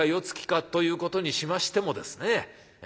つきかということにしましてもですね